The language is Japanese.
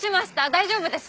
大丈夫です？